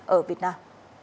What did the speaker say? ở việt nam